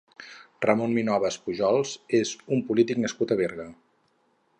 Ramon Minoves Pujols és un polític nascut a Berga.